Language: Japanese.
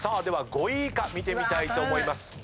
では５位以下見てみたいと思います。